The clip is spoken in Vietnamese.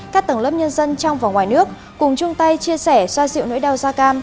các tầng lớp nhân dân trong và ngoài nước cùng chung tay chia sẻ xoa dịu nỗi đau da cam